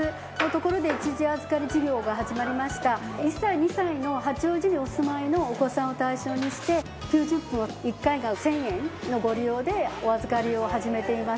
１歳２歳の八王子にお住まいのお子さんを対象にして９０分１回が１０００円のご利用でお預かりを始めています。